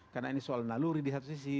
karena ini soal naluri di satu sisi